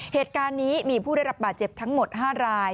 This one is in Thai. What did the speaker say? เหตุการณ์นี้มีผู้ได้รับบาดเจ็บทั้งหมด๕ราย